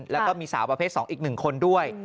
แล้วก็มีสาวประเภท๒อีก๑คนด้วย